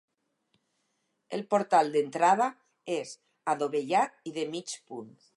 El portal d'entrada és adovellat i de mig punt.